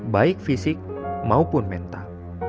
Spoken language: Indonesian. baik fisik maupun mental